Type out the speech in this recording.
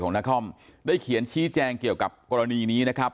นครได้เขียนชี้แจงเกี่ยวกับกรณีนี้นะครับ